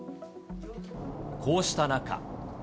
こうした中。